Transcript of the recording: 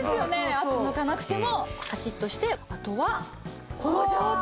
圧抜かなくてもカチッとしてあとはこの状態。